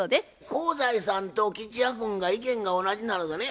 香西さんと吉弥君が意見が同じなのでね